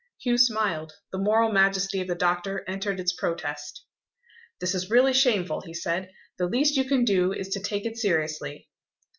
Hugh smiled. The moral majesty of the doctor entered its protest. "This is really shameful," he said. "The least you can do is to take it seriously."